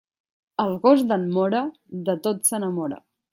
El gos d'en Mora, de tot s'enamora.